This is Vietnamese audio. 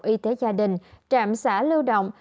y tế gia đình trạm xã lưu động